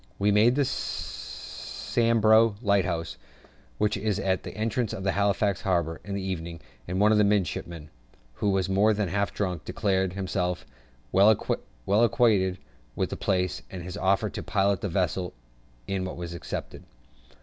We made Sambro' Lighthouse (which is at the entrance of Halifax harbour) in the evening, and one of the midshipmen, who was more than half drunk, declared himself well acquainted with the place, and his offer to pilot the vessel in was accepted.